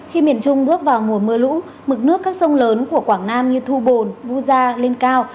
khi miền trung bước vào mùa mưa lũ mực nước các sông lớn của quảng nam như thu bồn vu gia lên cao